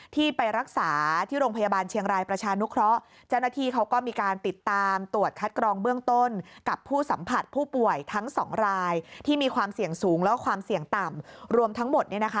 ที่ไปรักษาที่โรงพยาบาลเชียงรายประชานุเคราะห์